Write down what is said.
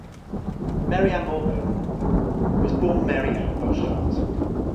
Mary Ann Moorman was born Mary Ann Boshart.